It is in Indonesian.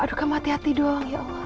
aduh kamu hati hati doang ya allah